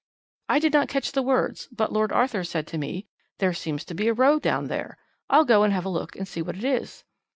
"'I did not catch the words, but Lord Arthur said to me: "There seems to be a row down there. I'll go and have a look and see what it is."